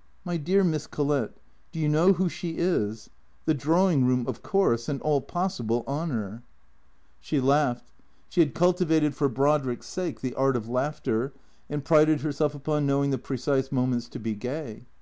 " My dear Miss Collett, do you know who she is ? The drawing room, of course, and all possible honour." THE CREATORS 159 She laughed. She had cultivated for Brodrick's sake the art of laughter, and prided herself upon knowing the precise moments to be gay.